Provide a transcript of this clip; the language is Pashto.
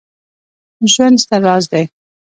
ژوند ستر راز دی